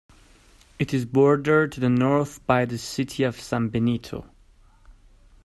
It is bordered to the north by the city of San Benito.